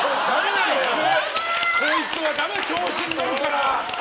こいつはダメ、調子に乗るから。